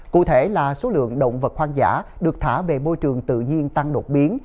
cụ thể là số lượng động vật hoang dã được thả về môi trường tự nhiên tăng đột biến